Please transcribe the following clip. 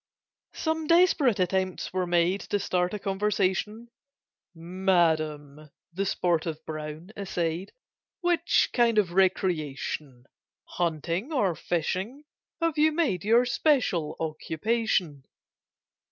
Some desperate attempts were made To start a conversation; "Madam," the sportive Brown essayed, "Which kind of recreation, Hunting or fishing, have you made Your special occupation?"